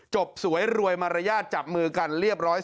จบสวยรวยมารยาทจับมือกันเรียบร้อย